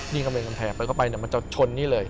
นี่ก็เป็นแผลเปิดเข้าไปเนี่ยมันจะชนนี่เลย